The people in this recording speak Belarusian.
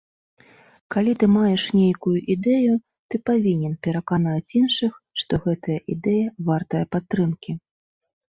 Калі ты маеш нейкую ідэю, ты павінен пераканаць іншых, што гэтая ідэя вартая падтрымкі.